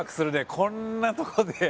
こんなとこで。